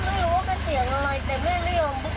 ไม่รู้ว่าเป็นเสียงอะไรแต่แม่ไม่ยอมพูด